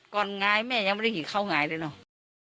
ก่อนง่ายแม่ยังไม่ได้เห็นเข้าง่ายเลยเนอะ